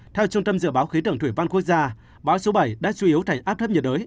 theo trung tâm dự báo khí tưởng thủy văn quốc gia báo số bảy đã truy yếu thành áp thấp nhiệt đới